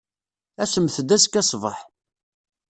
Asemt-d azekka ṣṣbeḥ.